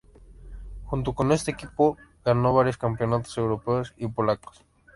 Junto con este equipo, ganó varios campeonatos europeos y polacos.